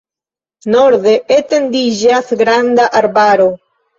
Norde etendiĝas granda arbaro.